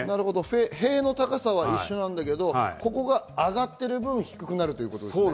塀の高さは一緒だけど、床が上がってる分、低くなるということですね。